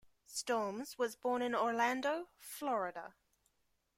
Storms was born in Orlando, Florida.